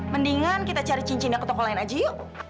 mendingan kita cari cincinnya ke toko lain aja yuk